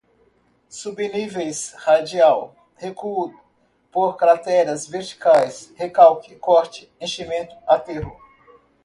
subníveis, radial, recuo por crateras verticais, recalque, corte, enchimento, aterro